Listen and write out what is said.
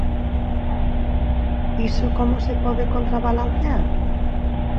Iso como se pode contrabalancear?